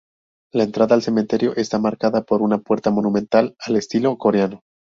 La entrada al cementerio está marcada por una puerta monumental al estilo coreano.